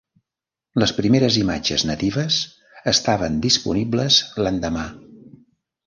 Les primeres imatges natives estaven disponibles l'endemà.